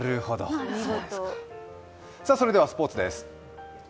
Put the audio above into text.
それではスポーツです。